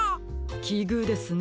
きぐうですね